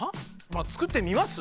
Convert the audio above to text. まあ作ってみます？